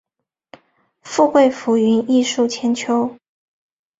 富贵浮云，艺术千秋